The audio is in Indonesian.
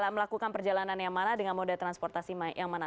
melakukan perjalanan yang mana dengan moda transportasi yang mana